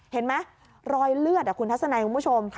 เห็นไหมรอยเลือดคุณทัศนัยคุณผู้ชม